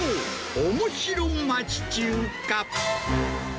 おもしろ町中華！